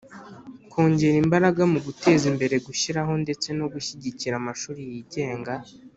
kongera imbaraga mu guteza imbere gushyiraho ndetse no gushyigikira amashuri yigenga